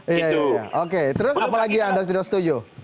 iya iya iya oke terus apa lagi yang anda tidak setuju